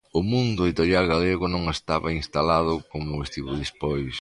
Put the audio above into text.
O mundo editorial galego non estaban instalado como o estivo despois.